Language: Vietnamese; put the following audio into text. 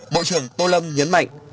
bộ trưởng tô lâm nhấn mạnh